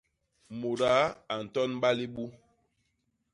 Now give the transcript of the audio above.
Mudaa a ntonba libu.